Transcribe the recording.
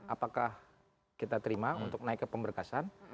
apakah kita terima untuk naik ke pemberkasan